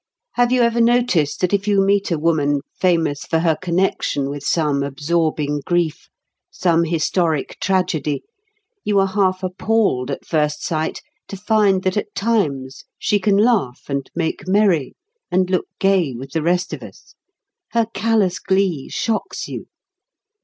Have you ever noticed that if you meet a woman, famous for her connection with some absorbing grief, some historic tragedy, you are half appalled at first sight to find that at times she can laugh, and make merry, and look gay with the rest of us. Her callous glee shocks you.